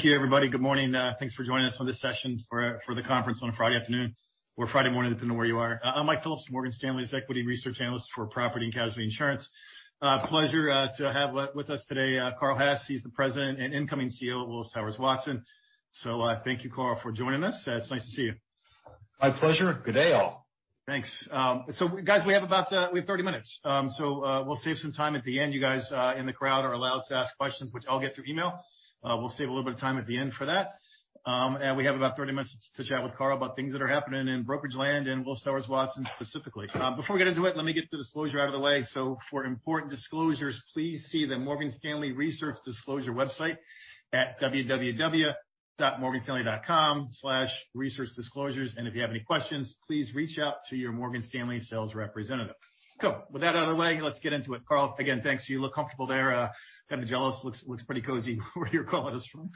Thank you everybody. Good morning. Thanks for joining us on this session for the conference on a Friday afternoon or Friday morning, depending on where you are. I'm Michael Phillips from Morgan Stanley, as Equity Research Analyst for Property and Casualty Insurance. Pleasure to have with us today, Carl Hess. He's the President and incoming CEO of Willis Towers Watson. Thank you, Carl, for joining us. It's nice to see you. My pleasure. Good day, all. Thanks. Guys, we have 30 minutes, we'll save some time at the end. You guys in the crowd are allowed to ask questions, which I'll get through email. We'll save a little bit of time at the end for that. We have about 30 minutes to chat with Carl about things that are happening in brokerage land and Willis Towers Watson, specifically. Before we get into it, let me get the disclosure out of the way. For important disclosures, please see the Morgan Stanley Research Disclosure website at www.morganstanley.com/researchdisclosures. If you have any questions, please reach out to your Morgan Stanley sales representative. Cool. With that out of the way, let's get into it. Carl, again, thanks. You look comfortable there. Kind of jealous. Looks pretty cozy where you're calling us from.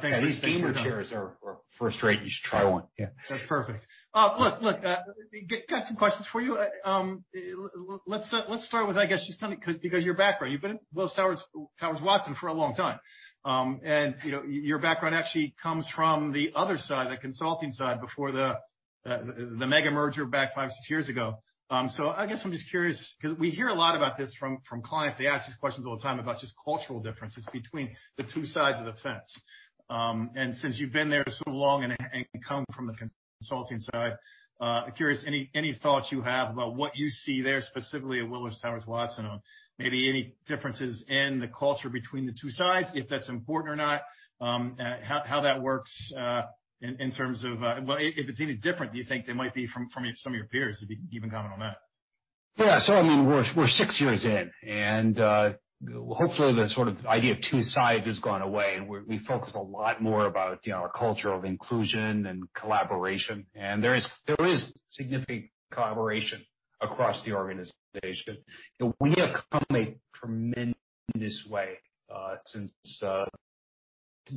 Thanks. These gamer chairs are first rate. You should try one. Yeah. That's perfect. Look, got some questions for you. Let's start with, I guess, just because your background, you've been at Willis Towers Watson for a long time. Your background actually comes from the other side, the consulting side, before the mega merger back 5, 6 years ago. I guess I'm just curious, because we hear a lot about this from clients. They ask these questions all the time about just cultural differences between the two sides of the fence. Since you've been there so long and come from the consulting side, curious any thoughts you have about what you see there, specifically at Willis Towers Watson, or maybe any differences in the culture between the two sides, if that's important or not? How that works, in terms of, well, if it's any different, do you think they might be from some of your peers, if you can comment on that? Yeah. We're 6 years in, hopefully the sort of idea of two sides has gone away, we focus a lot more about our culture of inclusion and collaboration. There is significant collaboration across the organization. We have come a tremendous way since Willis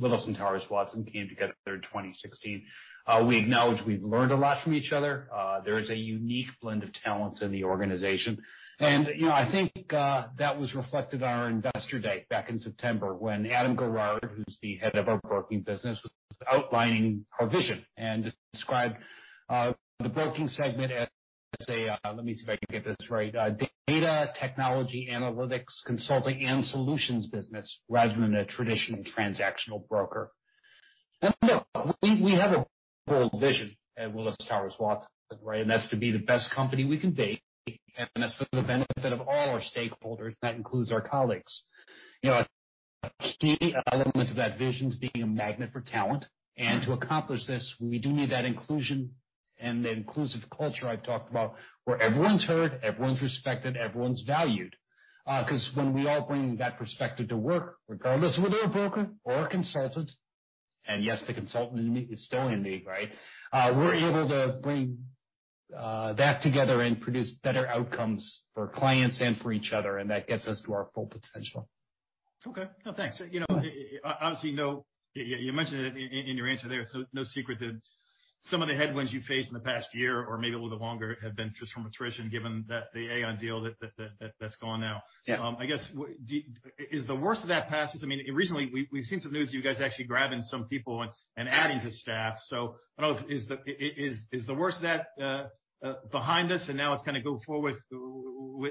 and Towers Watson came together in 2016. We acknowledge we've learned a lot from each other. There is a unique blend of talents in the organization. I think that was reflected at our Investor Day back in September when Adam Garrard, who's the head of our broking business, was outlining our vision and described the broking segment as a, let me see if I can get this right, data technology, analytics, consulting, and solutions business rather than a traditional transactional broker. Look, we have a bold vision at Willis Towers Watson, right? That's to be the best company we can be, that's for the benefit of all our stakeholders, that includes our colleagues. A key element to that vision is being a magnet for talent. To accomplish this, we do need that inclusion and the inclusive culture I talked about, where everyone's heard, everyone's respected, everyone's valued. Because when we all bring that perspective to work, regardless of whether you're a broker or a consultant, and yes, the consultant in me is still in me, right? We're able to bring that together and produce better outcomes for clients and for each other, and that gets us to our full potential. Okay. No, thanks. Obviously, you mentioned it in your answer there, so no secret that some of the headwinds you faced in the past year or maybe a little bit longer have been just from attrition, given the Aon deal that's gone now. Yeah. I guess, is the worst of that passed? Recently, we've seen some news you guys are actually grabbing some people and adding to staff. I don't know, is the worst of that behind us and now it's kind of go forward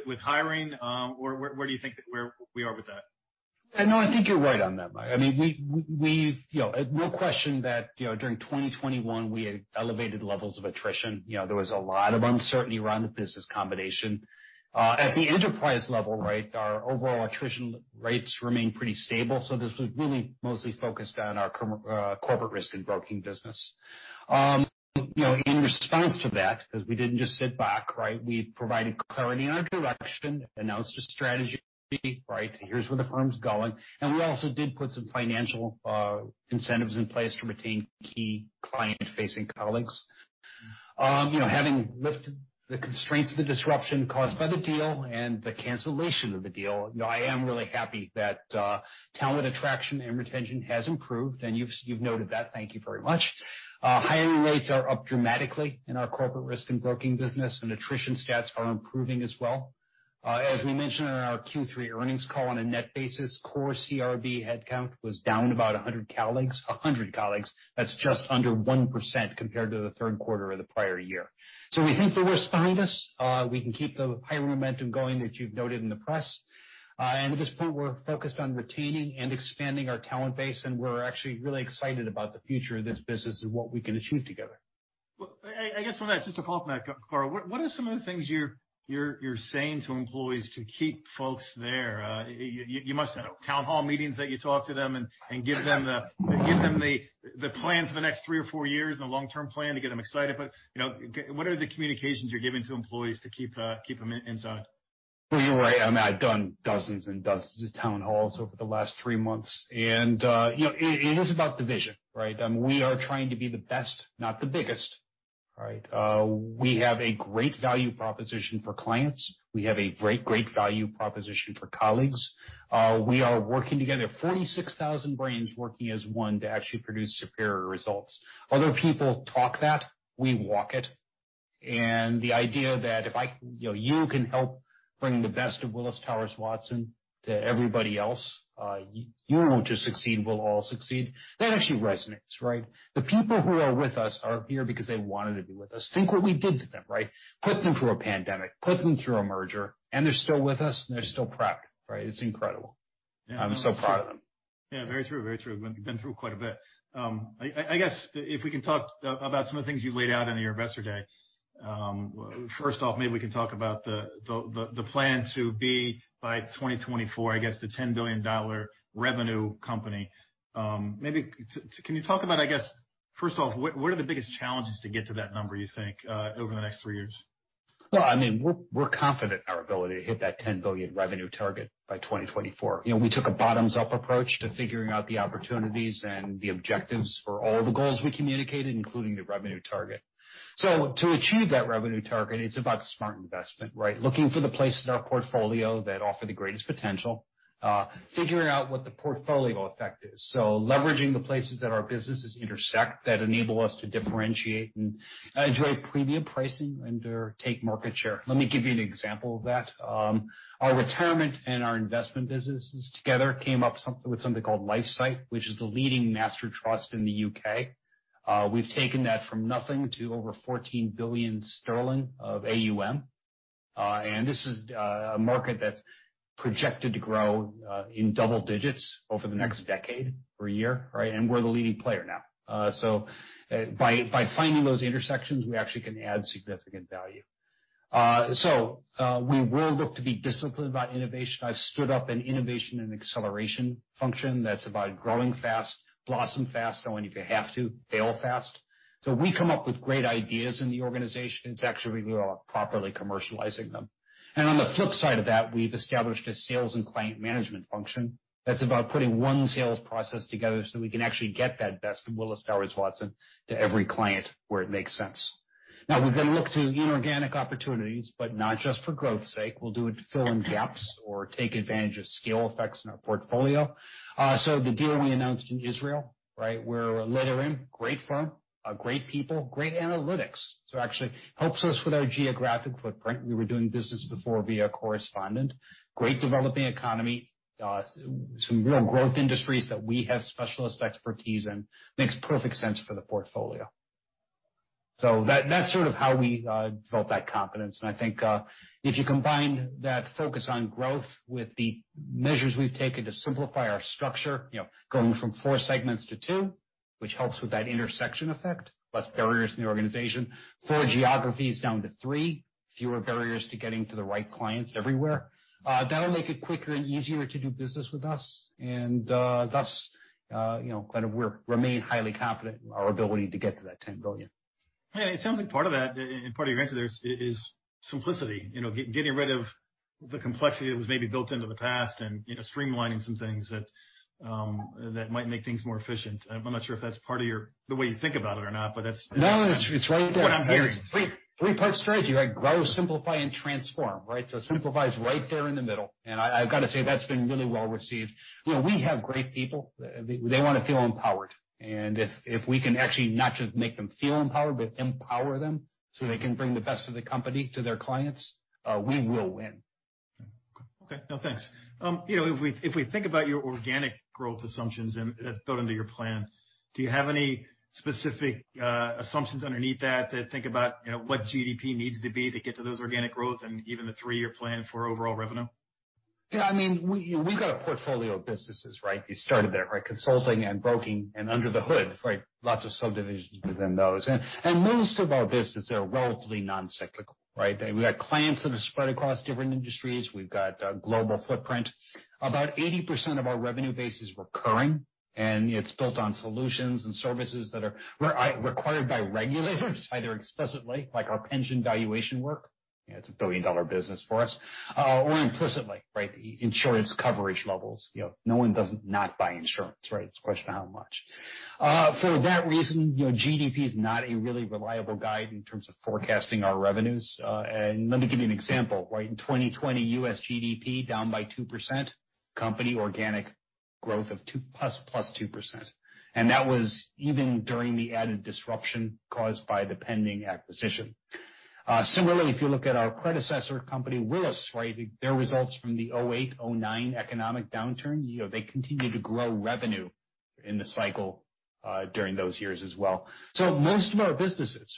with hiring? Or where do you think we are with that? No, I think you're right on that, Mike. No question that during 2021, we had elevated levels of attrition. There was a lot of uncertainty around the business combination. At the enterprise level, right, our overall attrition rates remain pretty stable, so this was really mostly focused on our Corporate Risk and Broking business. In response to that, because we didn't just sit back, right? We provided clarity in our direction, announced a strategy, right? Here's where the firm's going. We also did put some financial incentives in place to retain key client-facing colleagues. Having lifted the constraints of the disruption caused by the deal and the cancellation of the deal, I am really happy that talent attraction and retention has improved. You've noted that, thank you very much. Hiring rates are up dramatically in our Corporate Risk and Broking business, and attrition stats are improving as well. As we mentioned on our Q3 earnings call on a net basis, core CRB headcount was down about 100 colleagues. That's just under 1% compared to the third quarter of the prior year. We think the worst behind us. We can keep the hiring momentum going that you've noted in the press. At this point, we're focused on retaining and expanding our talent base, and we're actually really excited about the future of this business and what we can achieve together. Well, I guess on that, just to follow up on that, Carl, what are some of the things you're saying to employees to keep folks there? You must have town hall meetings that you talk to them and give them the plan for the next three or four years and the long-term plan to get them excited. What are the communications you're giving to employees to keep them inside? Well, you're right. I've done dozens and dozens of town halls over the last three months. It is about the vision, right? We are trying to be the best, not the biggest. Right? We have a great value proposition for clients. We have a great value proposition for colleagues. We are working together, 46,000 brains working as one to actually produce superior results. Other people talk that, we walk it. The idea that if you can help bring the best of Willis Towers Watson to everybody else, you don't just succeed, we'll all succeed. That actually resonates, right? The people who are with us are here because they wanted to be with us. Think what we did to them, right? Put them through a pandemic, put them through a merger, and they're still with us, and they're still proud, right? It's incredible. Yeah. I'm so proud of them. Yeah, very true. Been through quite a bit. I guess if we can talk about some of the things you laid out in your Investor Day. First off, maybe we can talk about the plan to be, by 2024, I guess, the $10 billion revenue company. Maybe can you talk about, I guess, first off, what are the biggest challenges to get to that number, you think, over the next three years? Well, we're confident in our ability to hit that $10 billion revenue target by 2024. We took a bottoms-up approach to figuring out the opportunities and the objectives for all the goals we communicated, including the revenue target. To achieve that revenue target, it's about smart investment, right? Looking for the places in our portfolio that offer the greatest potential, figuring out what the portfolio effect is. Leveraging the places that our businesses intersect that enable us to differentiate and drive premium pricing and/or take market share. Let me give you an example of that. Our retirement and our investment businesses together came up with something called LifeSight, which is the leading master trust in the U.K. We've taken that from nothing to over 14 billion sterling of AUM, and this is a market that's projected to grow in double digits over the next decade per year, right? We're the leading player now. By finding those intersections, we actually can add significant value. We will look to be disciplined about innovation. I've stood up an innovation and acceleration function that's about growing fast, blossom fast only if you have to, fail fast. We come up with great ideas in the organization, it's actually properly commercializing them. On the flip side of that, we've established a sales and client management function that's about putting one sales process together so that we can actually get that best of Willis Towers Watson to every client where it makes sense. We're going to look to inorganic opportunities, but not just for growth's sake. We'll do it to fill in gaps or take advantage of scale effects in our portfolio. The deal we announced in Israel, where Leaderim, great firm, great people, great analytics. Actually helps us with our geographic footprint. We were doing business before via correspondent. Great developing economy. Some real growth industries that we have specialist expertise in. Makes perfect sense for the portfolio. That's sort of how we built that confidence, I think if you combine that focus on growth with the measures we've taken to simplify our structure, going from four segments to two, which helps with that intersection effect, less barriers in the organization. Four geographies down to three, fewer barriers to getting to the right clients everywhere. That'll make it quicker and easier to do business with us, thus, we remain highly confident in our ability to get to that $10 billion. Yeah, it sounds like part of that and part of your answer there is simplicity. Getting rid of the complexity that was maybe built into the past and streamlining some things that might make things more efficient. I'm not sure if that's part of the way you think about it or not, but that's. No, it's right there what I'm hearing. Three-part strategy, right? Grow, simplify, and transform, right? Simplify is right there in the middle, and I've got to say, that's been really well-received. We have great people. They want to feel empowered. If we can actually not just make them feel empowered, but empower them so they can bring the best of the company to their clients, we will win. Okay. No, thanks. If we think about your organic growth assumptions that are built into your plan, do you have any specific assumptions underneath that to think about what GDP needs to be to get to those organic growth and even the three-year plan for overall revenue? Yeah, we've got a portfolio of businesses, right? You started there. Consulting and broking. Under the hood, lots of subdivisions within those. Most of our businesses are relatively non-cyclical, right? We've got clients that are spread across different industries. We've got a global footprint. About 80% of our revenue base is recurring, and it's built on solutions and services that are required by regulators, either explicitly, like our pension valuation work, it's a billion-dollar business for us, or implicitly. The insurance coverage levels. No one doesn't not buy insurance, right? It's a question of how much. For that reason, GDP is not a really reliable guide in terms of forecasting our revenues. Let me give you an example. In 2020, U.S. GDP down by 2%, company organic growth of plus 2%. That was even during the added disruption caused by the pending acquisition. Similarly, if you look at our predecessor company, Willis, their results from the 2008, 2009 economic downturn, they continued to grow revenue in the cycle during those years as well. Most of our businesses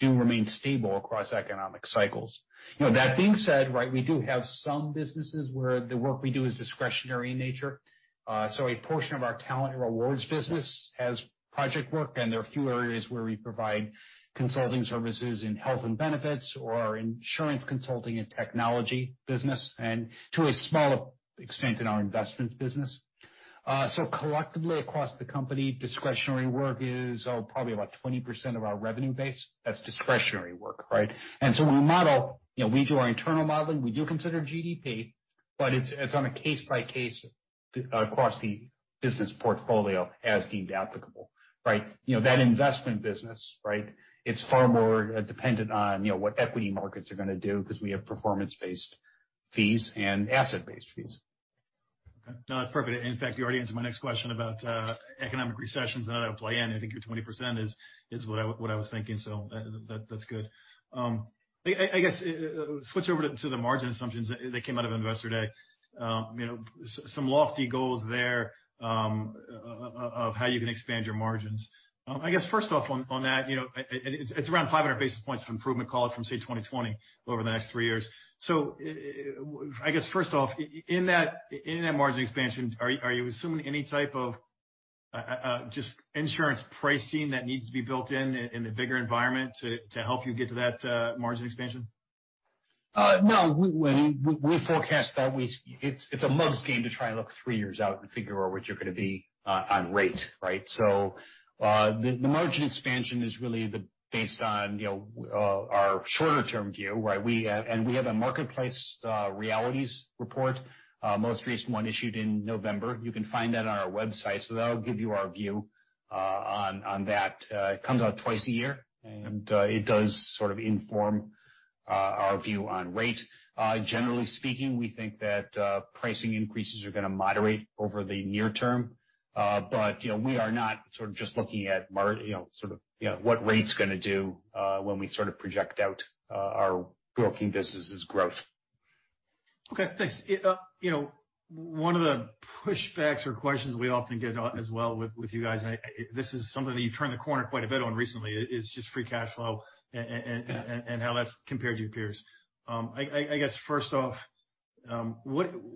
do remain stable across economic cycles. That being said, we do have some businesses where the work we do is discretionary in nature. A portion of our Talent and Rewards business has project work, and there are a few areas where we provide consulting services in health and benefits or our Insurance Consulting and Technology business and to a smaller extent, in our investments business. Collectively, across the company, discretionary work is probably about 20% of our revenue base. That's discretionary work, right? When we model, we do our internal modeling, we do consider GDP, but it's on a case-by-case across the business portfolio as deemed applicable. That investment business, it's far more dependent on what equity markets are going to do because we have performance-based fees and asset-based fees. Okay. No, that's perfect. In fact, you already answered my next question about economic recessions and how that'll play in. I think your 20% is what I was thinking, so that's good. I guess, switch over to the margin assumptions that came out of Investor Day. Some lofty goals there of how you can expand your margins. I guess first off on that, it's around 500 basis points of improvement call it from, say, 2020 over the next three years. I guess first off, in that margin expansion, are you assuming any type of just insurance pricing that needs to be built in the bigger environment to help you get to that margin expansion? No. We forecast that it's a mug's game to try and look three years out and figure out what you're going to be on rate, right? The margin expansion is really based on our shorter term view, right? We have an Insurance Marketplace Realities report, most recent one issued in November. You can find that on our website. That'll give you our view on that. It comes out twice a year, and it does sort of inform our view on rate. Generally speaking, we think that pricing increases are going to moderate over the near term. We are not sort of just looking at what rate's going to do when we sort of project out our broking business' growth. Okay, thanks. One of the pushbacks or questions we often get as well with you guys, this is something that you've turned the corner quite a bit on recently, is just free cash flow and how that's compared to your peers. I guess first off,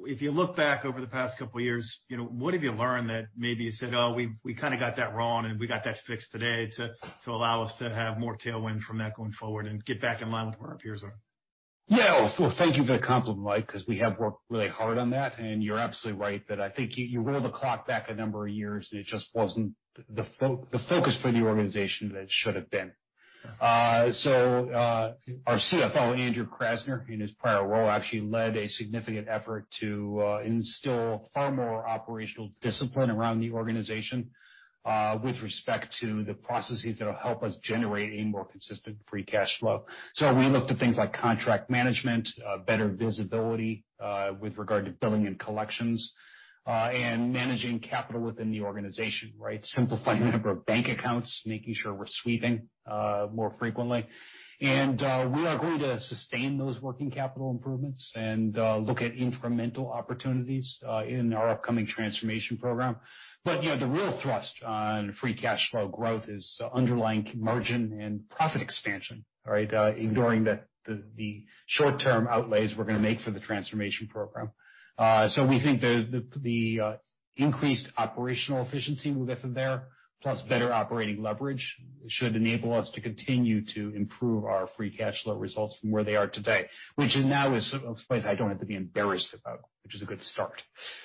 if you look back over the past couple of years, what have you learned that maybe you said, "Oh, we kind of got that wrong, and we got that fixed today to allow us to have more tailwind from that going forward and get back in line with where our peers are? Yeah. Well, thank you for the compliment, Mike, because we have worked really hard on that, and you're absolutely right that I think you roll the clock back a number of years, and it just wasn't the focus for the organization that it should have been. Our CFO, Andrew Krasner, in his prior role, actually led a significant effort to instill far more operational discipline around the organization with respect to the processes that'll help us generate a more consistent free cash flow. We looked at things like contract management, better visibility with regard to billing and collections, and managing capital within the organization, right? Simplifying the number of bank accounts, making sure we're sweeping more frequently. We are going to sustain those working capital improvements and look at incremental opportunities in our upcoming transformation program. The real thrust on free cash flow growth is underlying margin and profit expansion, right? Ignoring the short-term outlays we're going to make for the transformation program. We think the increased operational efficiency we'll get from there, plus better operating leverage, should enable us to continue to improve our free cash flow results from where they are today. Which now is a place I don't have to be embarrassed about, which is a good start.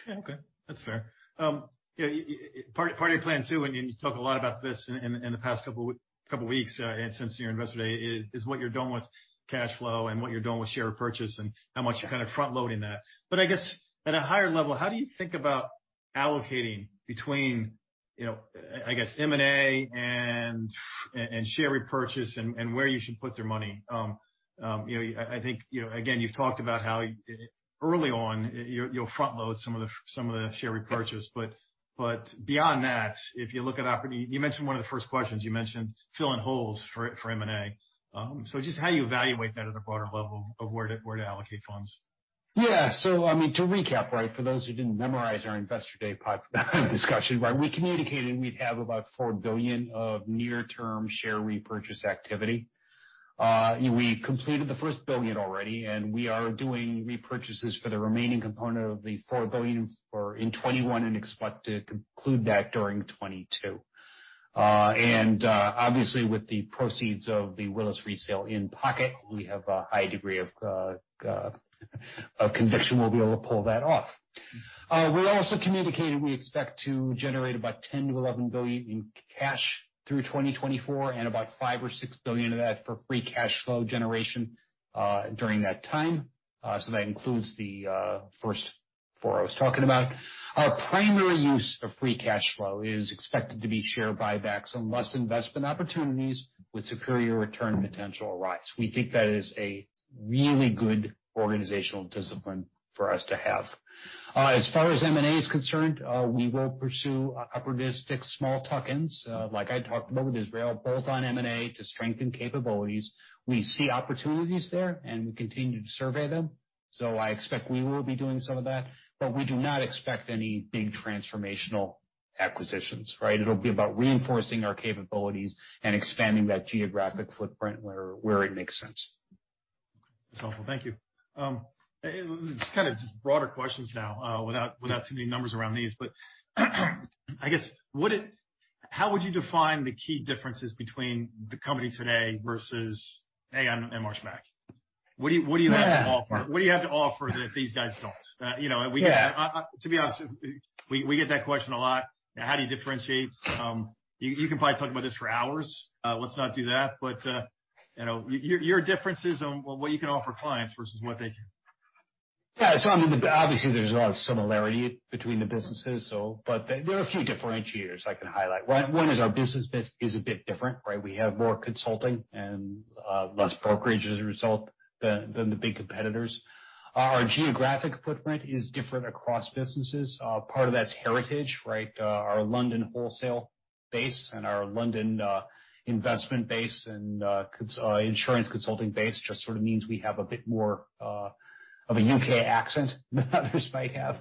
Okay. That's fair. Part of your plan, too, and you talked a lot about this in the past couple of weeks and since your Investor Day, is what you're doing with cash flow and what you're doing with share purchase and how much you're kind of front-loading that. I guess at a higher level, how do you think about allocating between, I guess, M&A and share repurchase and where you should put their money? I think, again, you've talked about how early on, you'll front-load some of the share repurchase. Beyond that, you mentioned one of the first questions, you mentioned filling holes for M&A. Just how you evaluate that at a broader level of where to allocate funds. Yeah. To recap for those who didn't memorize our Investor Day discussion. We communicated we'd have about $4 billion of near-term share repurchase activity. We completed the first $1 billion already, and we are doing repurchases for the remaining component of the $4 billion in 2021 and expect to conclude that during 2022. Obviously, with the proceeds of the Willis Re sale in pocket, we have a high degree of conviction we'll be able to pull that off. We also communicated we expect to generate about $10 billion-$11 billion in cash through 2024, and about $5 billion or $6 billion of that for free cash flow generation during that time. That includes the first four I was talking about. Our primary use of free cash flow is expected to be share buybacks unless investment opportunities with superior return potential arise. We think that is a really good organizational discipline for us to have. As far as M&A is concerned, we will pursue opportunistic small tuck-ins, like I talked about with Israel, both on M&A to strengthen capabilities. We see opportunities there, and we continue to survey them. I expect we will be doing some of that, but we do not expect any big transformational acquisitions, right? It'll be about reinforcing our capabilities and expanding that geographic footprint where it makes sense. That's helpful. Thank you. Just broader questions now without too many numbers around these, but I guess, how would you define the key differences between the company today versus Aon and Marsh Mac? What do you have to offer that these guys don't? Yeah. To be honest, we get that question a lot. How do you differentiate? You can probably talk about this for hours. Let's not do that, but your differences on what you can offer clients versus what they can. Yeah. Obviously, there's a lot of similarity between the businesses, but there are a few differentiators I can highlight. One is our business base is a bit different. We have more consulting and less brokerage as a result than the big competitors. Our geographic footprint is different across businesses. Part of that's heritage. Our London wholesale base and our London investment base and insurance consulting base just sort of means we have a bit more of a U.K. accent than others might have.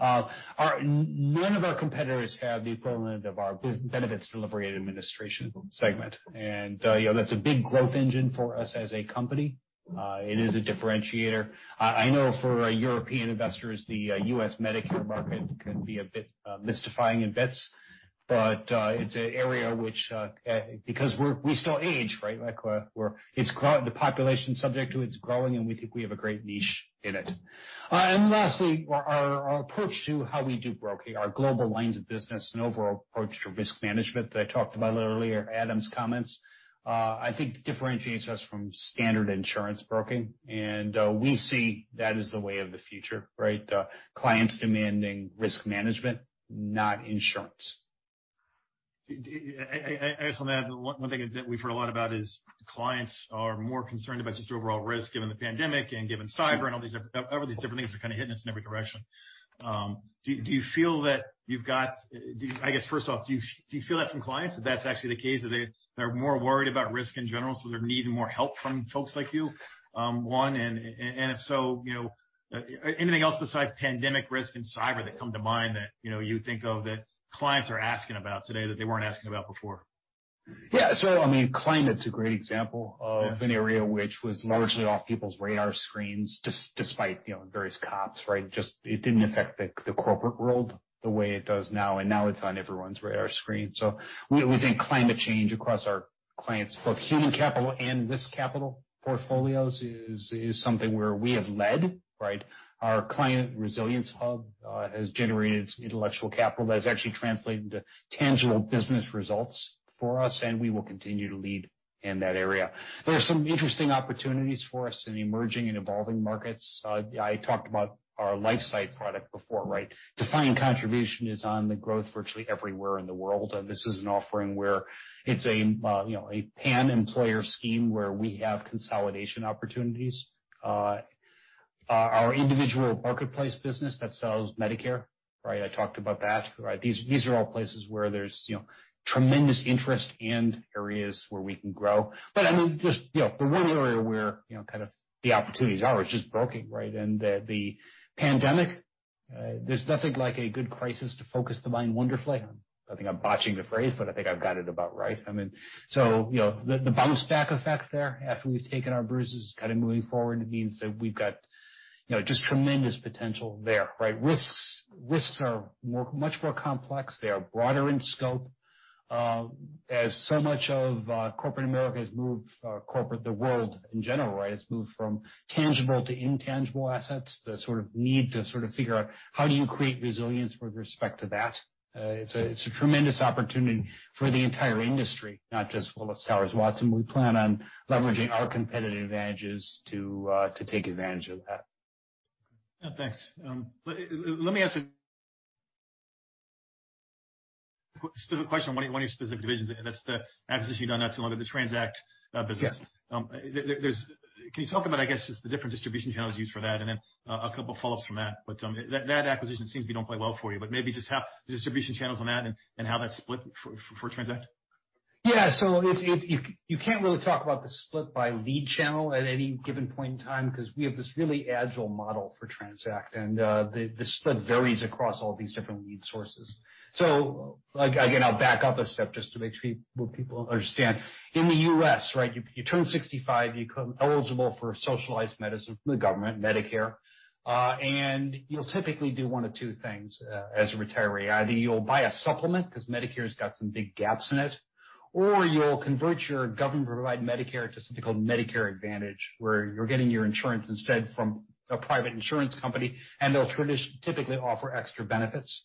None of our competitors have the equivalent of our Benefits Delivery and Administration segment. That's a big growth engine for us as a company. It is a differentiator. I know for European investors, the U.S. Medicare market can be a bit mystifying in bits. It's an area which, because we still age, right? The population subject to it is growing, and we think we have a great niche in it. Lastly, our approach to how we do brokering, our global lines of business and overall approach to risk management that I talked about a little earlier, Adam's comments, I think differentiates us from standard insurance broking. We see that as the way of the future, right? Clients demanding risk management, not insurance. I just want to add, one thing that we've heard a lot about is clients are more concerned about just overall risk given the pandemic and given cyber and all these different things are kind of hitting us in every direction. Do you feel that, first off, do you feel that from clients, that that's actually the case? That they're more worried about risk in general, so they're needing more help from folks like you, one, and if so, anything else besides pandemic risk and cyber that come to mind that you think of that clients are asking about today that they weren't asking about before? Yeah. Climate's a great example of an area which was largely off people's radar screens despite various COPs, right? It didn't affect the corporate world the way it does now, and now it's on everyone's radar screen. We think climate change across our clients' both human capital and risk capital portfolios is something where we have led, right? Our Climate and Resilience Hub has generated intellectual capital that has actually translated into tangible business results for us, and we will continue to lead in that area. There are some interesting opportunities for us in emerging and evolving markets. I talked about our LifeSight product before, right? Defined contribution is on the growth virtually everywhere in the world, and this is an offering where it's a pan-employer scheme where we have consolidation opportunities. Our individual marketplace business that sells Medicare, right? I talked about that. These are all places where there's tremendous interest and areas where we can grow. The one area where the opportunities are is just broking, right? The pandemic, there's nothing like a good crisis to focus the mind wonderfully on. I think I'm botching the phrase, but I think I've got it about right. The bounce back effect there after we've taken our bruises kind of moving forward means that we've got just tremendous potential there, right? Risks are much more complex. They are broader in scope. As so much of corporate America has moved corporate, the world in general, right, has moved from tangible to intangible assets, the sort of need to sort of figure out how do you create resilience with respect to that? It's a tremendous opportunity for the entire industry, not just Willis Towers Watson. We plan on leveraging our competitive advantages to take advantage of that. Thanks. Let me ask a specific question on one of your specific divisions, and that's the acquisition you've done not too long ago, the TRANZACT business. Yes. Can you talk about, I guess, just the different distribution channels used for that, and then a couple follows from that. That acquisition seems to be doing quite well for you, but maybe just how the distribution channels on that and how that's split for TRANZACT. Yeah. You can't really talk about the split by lead channel at any given point in time because we have this really agile model for TRANZACT, and the split varies across all these different lead sources. Again, I'll back up a step just to make sure people understand. In the U.S., right, you turn 65, you become eligible for socialized medicine from the government, Medicare. You'll typically do one of two things as a retiree. Either you'll buy a supplement, because Medicare's got some big gaps in it, or you'll convert your government-provided Medicare to something called Medicare Advantage, where you're getting your insurance instead from a private insurance company, and they'll typically offer extra benefits.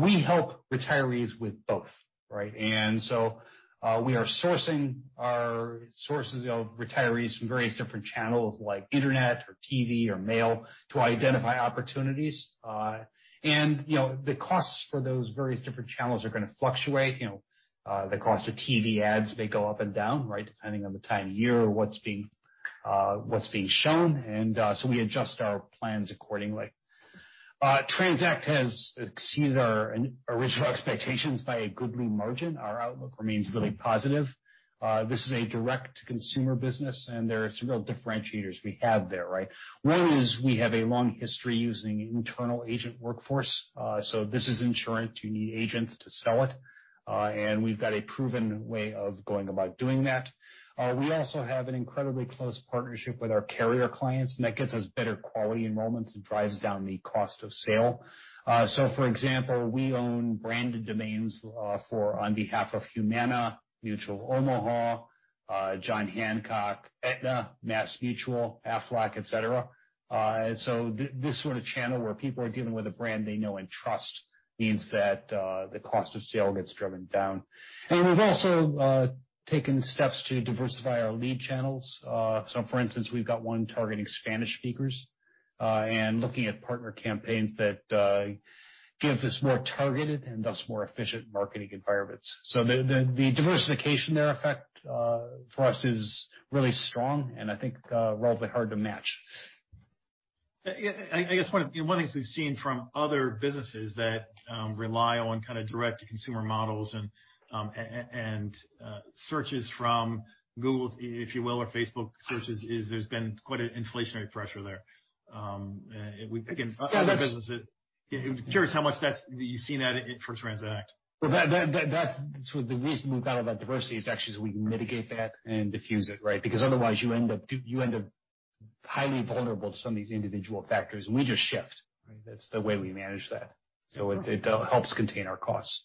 We help retirees with both, right? We are sourcing our sources of retirees from various different channels like internet or TV or mail to identify opportunities. The costs for those various different channels are going to fluctuate. The cost of TV ads may go up and down, right, depending on the time of year or what's being shown. We adjust our plans accordingly. TRANZACT has exceeded our original expectations by a goodly margin. Our outlook remains really positive. This is a direct-to-consumer business, and there are some real differentiators we have there, right? One is we have a long history using internal agent workforce. This is insurance, you need agents to sell it. We've got a proven way of going about doing that. We also have an incredibly close partnership with our carrier clients, and that gets us better quality enrollments and drives down the cost of sale. For example, we own branded domains on behalf of Humana, Mutual of Omaha, John Hancock, Aetna, MassMutual, Aflac, et cetera. This sort of channel where people are dealing with a brand they know and trust means that the cost of sale gets driven down. We've also taken steps to diversify our lead channels. For instance, we've got one targeting Spanish speakers. Looking at partner campaigns that give us more targeted and thus more efficient marketing environments. The diversification there effect for us is really strong and I think relatively hard to match. I guess one of the things we've seen from other businesses that rely on kind of direct-to-consumer models and searches from Google, if you will, or Facebook searches, is there's been quite an inflationary pressure there. Yeah. I'm curious how much you've seen that for TRANZACT. That's the reason we've thought about diversity is actually so we can mitigate that and diffuse it, right? Otherwise, you end up highly vulnerable to some of these individual factors. We just shift, right? That's the way we manage that. It helps contain our costs.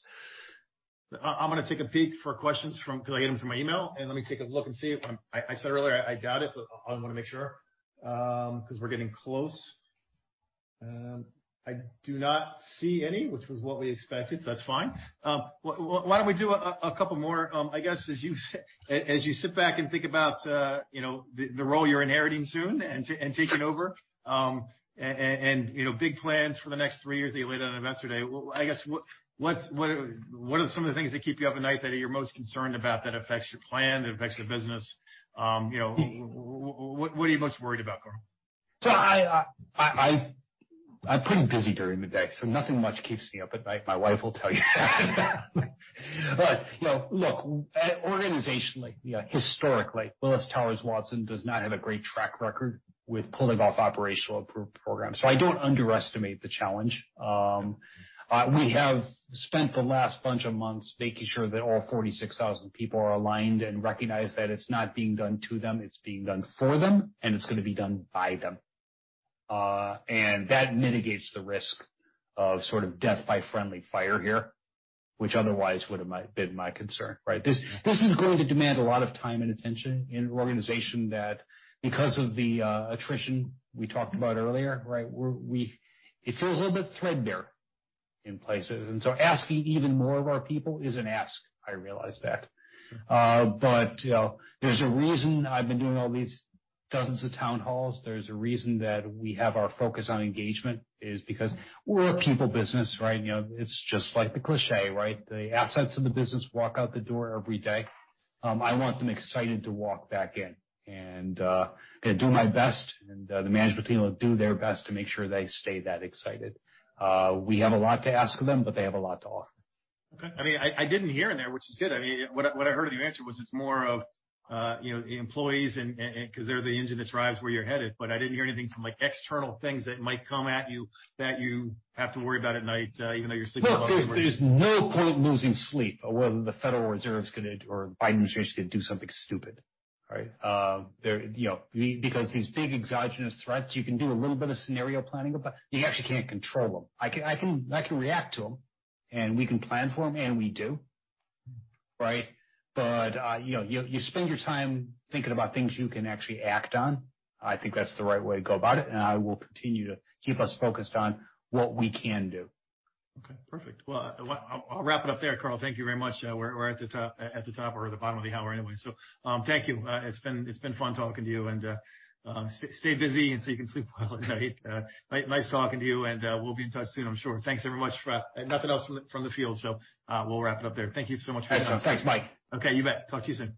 I'm going to take a peek for questions from, because I get them from my email, and let me take a look and see. I said earlier, I doubt it, but I want to make sure, because we're getting close. I do not see any, which was what we expected, so that's fine. Why don't we do a couple more, I guess, as you sit back and think about the role you're inheriting soon and taking over. Big plans for the next 3 years that you laid out on Investor Day. I guess, what are some of the things that keep you up at night that you're most concerned about that affects your plan, that affects the business? What are you most worried about, Carl? I'm pretty busy during the day, so nothing much keeps me up at night. My wife will tell you. Look, organizationally, historically, Willis Towers Watson does not have a great track record with pulling off operational approved programs. I don't underestimate the challenge. We have spent the last bunch of months making sure that all 46,000 people are aligned and recognize that it's not being done to them, it's being done for them, and it's going to be done by them. That mitigates the risk of sort of death by friendly fire here, which otherwise would have been my concern, right? This is going to demand a lot of time and attention in an organization that because of the attrition we talked about earlier, right, it feels a little bit threadbare in places. Asking even more of our people is an ask. I realize that. There's a reason I've been doing all these dozens of town halls. There's a reason that we have our focus on engagement is because we're a people business, right? It's just like the cliché, right? The assets of the business walk out the door every day. I want them excited to walk back in and going to do my best, and the management team will do their best to make sure they stay that excited. We have a lot to ask of them, but they have a lot to offer. Okay. I mean, I didn't hear in there, which is good. I mean, what I heard of your answer was it's more of the employees and because they're the engine that drives where you're headed. I didn't hear anything from like external things that might come at you that you have to worry about at night, even though you're sleeping well. Look, there's no point losing sleep over whether the Federal Reserve's going to or Biden administration's going to do something stupid. Right? These big exogenous threats, you can do a little bit of scenario planning, but you actually can't control them. I can react to them, and we can plan for them, and we do, right? You spend your time thinking about things you can actually act on. I think that's the right way to go about it, and I will continue to keep us focused on what we can do. Okay, perfect. Well, I'll wrap it up there, Carl. Thank you very much. We're at the top or the bottom of the hour anyway. Thank you. It's been fun talking to you, and stay busy you can sleep well at night. Nice talking to you, and we'll be in touch soon, I'm sure. Thanks very much. Nothing else from the field, we'll wrap it up there. Thank you so much for your time. Thanks, Mike. Okay, you bet. Talk to you soon.